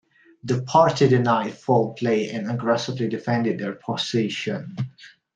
The party denied foul play and aggressively defended their position.